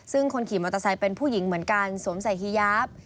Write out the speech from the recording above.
ซึ่งคนขี่มอเตอร์ไซค์เป็นผู้หญิงเหมือนกันสวมใส่ฮียาฟ